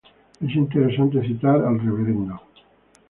Es interesante citar al Rvdo.